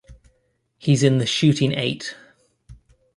He's in the shooting eight.